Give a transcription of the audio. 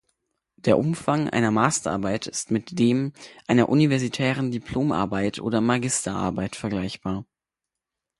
Der Umfang einer Masterarbeit ist mit dem einer universitären Diplomarbeit oder Magisterarbeit vergleichbar.